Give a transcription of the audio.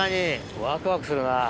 ワクワクするな。